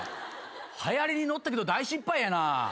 はやりに乗ったけど大失敗やな。